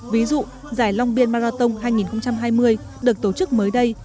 ví dụ giải long biên marathon hai nghìn hai mươi được tổ chức mới đây